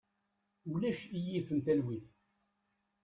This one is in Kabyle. Ulac i yifen talwit.